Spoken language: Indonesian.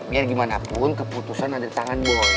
biar gimana pun keputusan ada di tangan bos